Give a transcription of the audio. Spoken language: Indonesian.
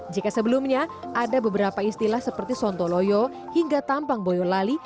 jika sebelumnya ada beberapa istilah seperti sontoloyo hingga tampang boyolali